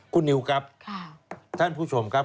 คุณนิวครับท่านผู้ชมครับ